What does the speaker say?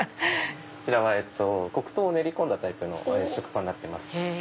こちら黒糖を練り込んだタイプの食パンになってます。